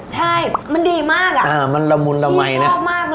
ใช่มันดีมากอ่ะพี่ชอบมากเลยอ่ะอื้อมันละมุนละไหมนะ